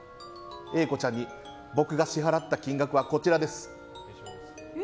Ａ子ちゃんに僕が支払った金額はこちらです。